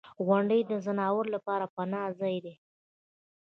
• غونډۍ د ځناورو لپاره پناه ځای دی.